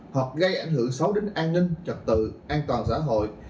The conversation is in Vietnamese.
hoặc gây ảnh hưởng xấu đến an ninh trật tự an toàn xã hội